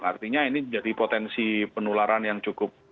artinya ini jadi potensi penularan yang cukup